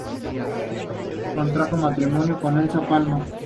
Contrajo matrimonio con Elsa Palma.